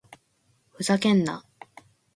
ふざけんな！